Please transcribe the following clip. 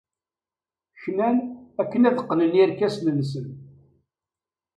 Knan akken ad qqnen irkasen-nsen.